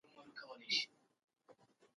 اقتصاد د مصرفي عادتونو بدلون څیړي.